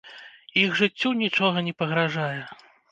Іх жыццю нічога не пагражае.